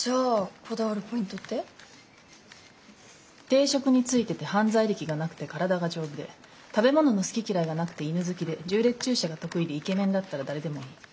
定職についてて犯罪歴がなくて体が丈夫で食べ物の好き嫌いがなくて犬好きで縦列駐車が得意でイケメンだったら誰でもいい。